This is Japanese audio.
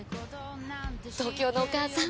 東京のお母さん。